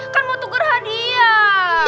kan mau tuker hadiah